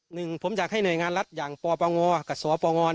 หนึ่งผมอยากให้หน่วยงานรัฐอย่างปปงกับสปง